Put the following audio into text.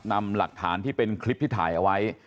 นำหลักฐานที่เป็นคลิปที่ถ่ายเอาไว้